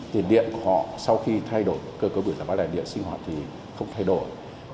tiền điện của họ sau khi thay đổi cơ cấu biểu giá bán lẻ điện sinh hoạt thì không thay đổi